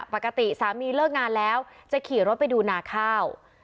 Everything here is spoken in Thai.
ปกติสามีเลิกงานแล้วจะขี่รถไปดูนาข้าว